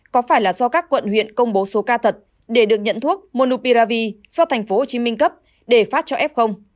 có phải là do các quận huyện công bố số ca thật để được nhận thuốc monupiravi do tp hcm cấp để phát cho f